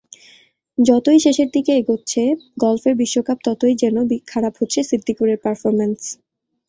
যতই শেষের দিকে এগোচ্ছে গলফের বিশ্বকাপ, ততই যেন খারাপ হচ্ছে সিদ্দিকুরের পারফরম্যান্স।